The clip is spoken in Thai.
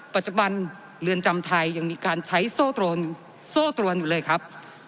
ปัจจุบันเรือนจำไทยยังมีการใช้โซ่ตรโซ่ตรวนอยู่เลยครับ